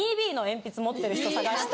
持ってる人探して。